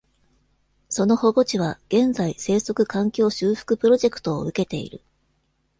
その保護地は、現在生息環境修復プロジェクトを受けている。